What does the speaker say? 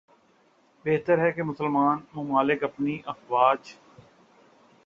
بہتر ہے کہ مسلمان ممالک اپنی افواج